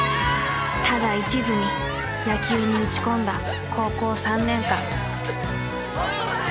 ただ一途に野球に打ち込んだ高校３年間。